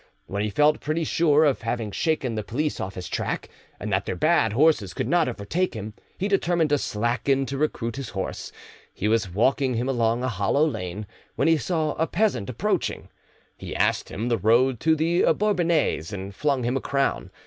When he felt pretty sure of having shaken the police off his track, and that their bad horses could not overtake him, he determined to slacken to recruit his horse; he was walking him along a hollow lane, when he saw a peasant approaching; he asked him the road to the Bourbonnais, and flung him a crown.